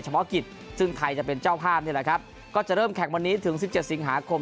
เพาะกิจซึ่งไทยจะเป็นเจ้าภาพนี่แหละครับก็จะเริ่มแข่งวันนี้ถึงสิบเจ็ดสิงหาคม